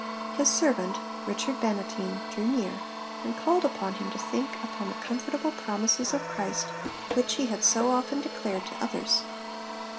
His servant, Richard Bannatyne, drew near, and called upon him to think upon the comfortable promises of Christ which he had so often declared to others.